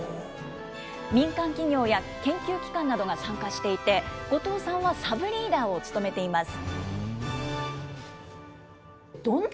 民間企業や研究機関などが参加していて、後藤さんはサブリーダーを務めています。